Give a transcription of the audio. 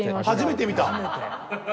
初めて見た？